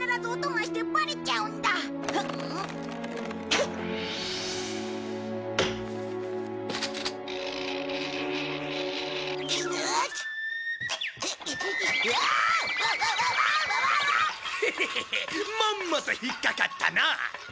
まんまと引っ掛かったな。